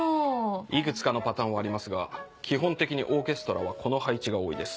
いくつかのパターンはありますが基本的にオーケストラはこの配置が多いです。